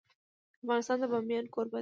افغانستان د بامیان کوربه دی.